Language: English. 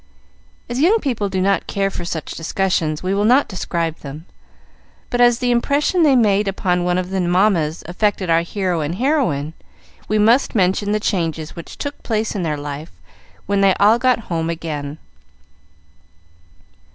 As young people do not care for such discussions, we will not describe them, but as the impression they made upon one of the mammas affected our hero and heroine, we must mention the changes which took place in their life when they all got home again.